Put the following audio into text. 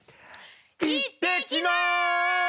行ってきます！